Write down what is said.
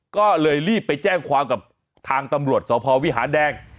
ก็เลยรีบไปแจ้งความกับทางตำรวจสพวิหารแดง